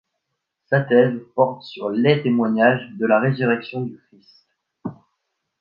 Sa thèse porte sur les témoignages de la résurrection du Christ.